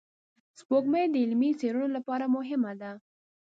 سپوږمۍ د علمي څېړنو لپاره مهمه ده